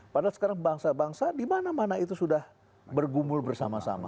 padahal sekarang bangsa bangsa di mana mana itu sudah bergumul bersama sama